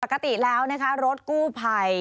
ปกติแล้วนะคะรถกู้ภัย